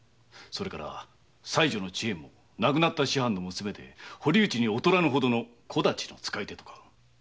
妻の千恵も亡くなった師範の娘で堀内に劣らぬほどの小太刀の使い手。